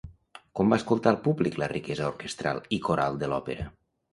Com va escoltar el públic la riquesa orquestral i coral de l'òpera?